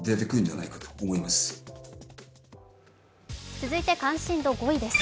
続いて関心度５位です。